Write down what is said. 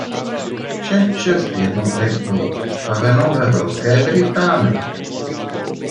Všech šest jednotek bylo postaveno ve Velké Británii.